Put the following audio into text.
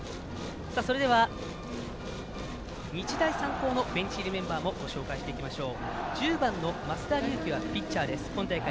それでは、日大三高のベンチ入りのメンバーもご紹介していきましょう。